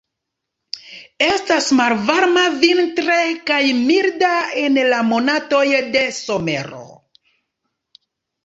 Estas malvarma vintre kaj milda en la monatoj de somero.